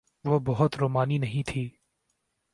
وہ بہت رومانی نہیں تھا۔